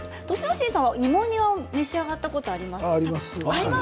心さんは芋煮は召し上がったことありますか？